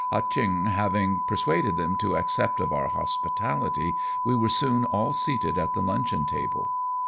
Ah Cheong having persuaded them to accept of our hospitality, we were soon all seated at the luncheon table.